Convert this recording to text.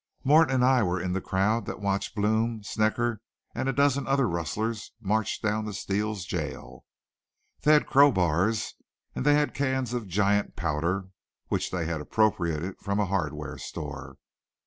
Morton and I were in the crowd that watched Blome, Snecker, and a dozen other rustlers march down to Steele's jail. They had crowbars and they had cans of giant powder, which they had appropriated from a hardware store.